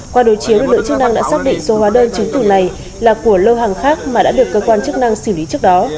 qua đối chiếu lực lượng chức năng đã xác định số hóa đơn chứng từ này là của lô hàng khác mà đã được cơ quan chức năng xử lý trước đó